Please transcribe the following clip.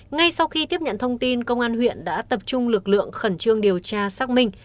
ngay sau khi tiếp nhận thông tin công an huyện đã tập trung lực lượng khẩn trương điều tra xác minh